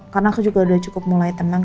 karena aku juga udah cukup mulai tenang